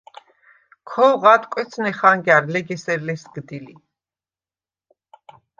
ქოღვ ადკვეცნე ხანგა̈რ, ლეგ ესერ ლესგდი ლი.